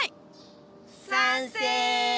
賛成！